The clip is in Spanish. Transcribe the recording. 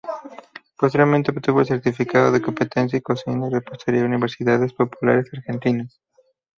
Posteriormente obtuvo el Certificado de Competencia en Cocina y Repostería de Universidades Populares Argentinas.